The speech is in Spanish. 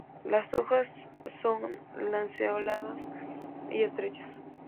Las hojas son lanceoladas y estrechas.